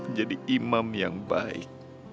menjadi imam yang baik